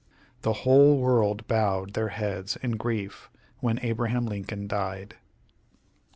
The whole world bowed their heads in grief when Abraham Lincoln died.